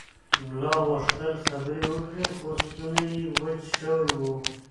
ملا غوښتل خبرې وکړي خو ستونی یې وچ شوی و.